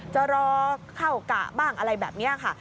จะรอเข้ากะบ้างอะไรแบบนี้ค่ะ